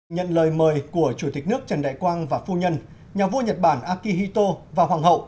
nhận lời mời của chủ tịch nước trần đại quang và phu nhân nhà vua nhật bản akihito và hoàng hậu